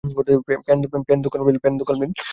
Pan দোকান বিল?